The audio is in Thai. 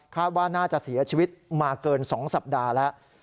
ว่าน่าจะเสียชีวิตมาเกิน๒สัปดาห์แล้ว